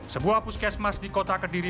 sebuah puskesmas di kota kediri